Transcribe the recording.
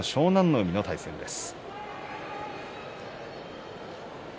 海の対戦です。